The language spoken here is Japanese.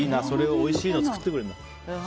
おいしいの作ってくれるんだ。